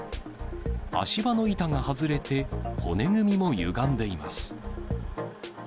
足場の板が外れて、骨組みもゆがんでいます。